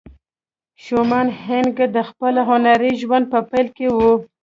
شومان هينک د خپل هنري ژوند په پيل کې وه.